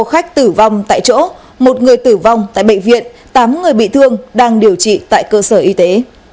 khách tử vong tại chỗ một người tử vong tại bệnh viện tám người bị thương đang điều trị tại cơ sở y tế